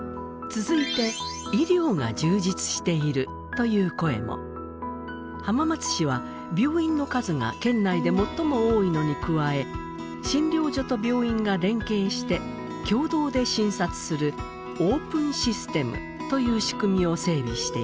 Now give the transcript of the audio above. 続いて浜松市は病院の数が県内で最も多いのに加え診療所と病院が連携して共同で診察する「オープンシステム」という仕組みを整備しています。